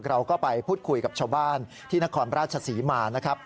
เราก็ไปพูดคุยกับชาวบ้านที่นครราชศรีมานะครับ